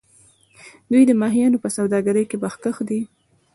دوی د ماهیانو په سوداګرۍ کې مخکښ دي.